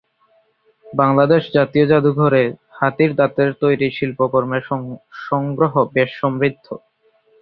বাংলাদেশ জাতীয় জাদুঘরে হাতির দাঁতের তৈরি শিল্পকর্মের সংগ্রহ বেশ সমৃদ্ধ।